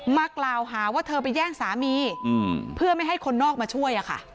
มากล่าวหาว่าเธอไปแย่งสามีเพื่อไม่ให้คนนอกมาช่วยอะค่ะ